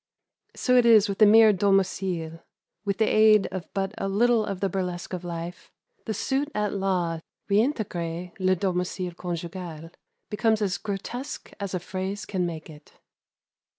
So is it with the mere "domicile;" with the aid of but a little of the burlesque of life, the suit at law to "reintegrer le domicile conjugal" becomes as grotesque as a phrase can make it.